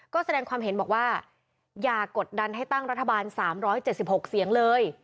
ก็แสดงความเห็นบอกว่าอย่ากดดันให้ตั้งรัฐบาล๓๗๖เสียงเลย